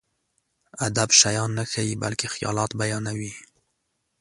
ادب شيان نه ښيي، بلکې خيالات بيانوي.